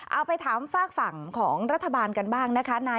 เอาไปถามฝากฝั่งของรัฐบาลกันบ้างนะคะ